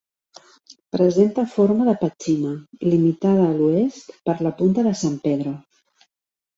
Presenta forma de petxina, limitada a l'oest per la punta de San Pedro.